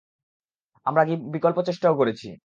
আমরা বিকল্প চেষ্টাও করেছি।